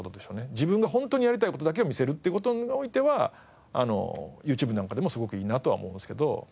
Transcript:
自分が本当にやりたい事だけを見せるっていう事においてはＹｏｕＴｕｂｅなんかでもすごくいいなとは思いますけど。